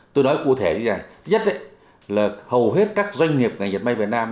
tôi nói cụ thể như thế này nhất là hầu hết các doanh nghiệp ngành diệt máy việt nam